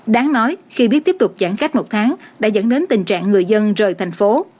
đáng nói khi biết tiếp tục giãn cách một tháng đã dẫn đến tình trạng người dân rời thành phố